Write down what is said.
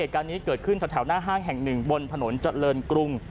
การนี้เกิดขึ้นแถวหน้าห้างแห่ง๑บนถนนเจริญกรุง